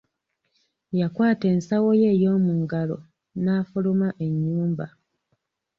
Yakwata ensawo ye ey'omu ngalo, n'affuluma ennyumba.